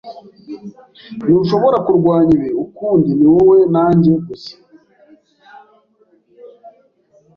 Ntushobora kurwanya ibi ukundi ni wowe na njye gusa